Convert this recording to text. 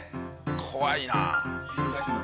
怖いな。